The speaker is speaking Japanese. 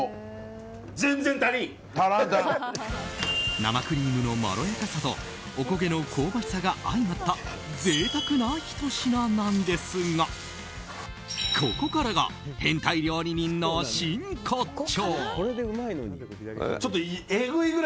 生クリームのまろやかさとおこげの香ばしさがあいまった贅沢なひと品なんですがここからが変態料理人の真骨頂。